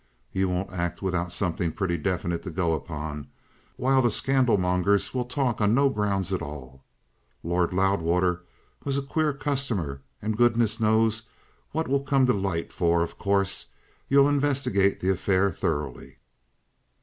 You won't act without something pretty definite to go upon, while the scandalmongers will talk on no grounds at all. Lord Loudwater was a queer customer, and goodness knows what will come to light, for, of course, you'll investigate the affair thoroughly."